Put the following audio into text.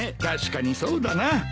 確かにそうだな。